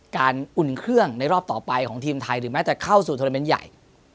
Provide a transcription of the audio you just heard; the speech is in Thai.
อุ่นเครื่องในรอบต่อไปของทีมไทยหรือแม้จะเข้าสู่โทรเมนต์ใหญ่